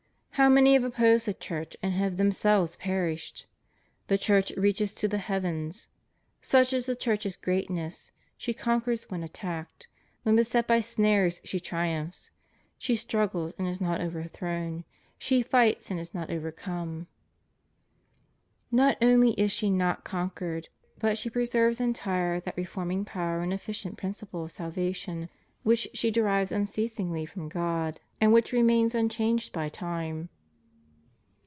... How many have opposed the Church and have themselves perished! The Church reaches to the heavens. Such is the Church's greatness; she conquers when attacked; when beset by snares she triumphs; ... she struggles, and is not overthrown; she fights, and ia not overcome." ' Not only is she not conquered, but she preserves entire that reforming power and efficient principle of salvation which she derives unceasingly from God, and which ^Prov. xiv. 34. » 1 Cor. iii. 22, 23. 'St. John Chrysost. 178 THE RIGHT ORDERING OF CHRISTIAN LIFE. remains unchanged by time.